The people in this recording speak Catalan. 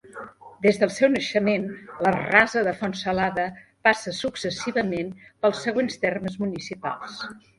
Des del seu naixement, la Rasa de Font Salada passa successivament pels següents termes municipals.